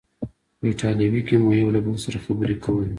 په ایټالوي کې مو یو له بل سره خبرې کولې.